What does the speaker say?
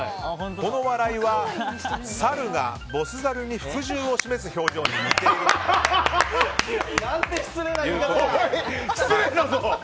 この笑いは、猿がボス猿に服従を示す表情に失礼だぞ！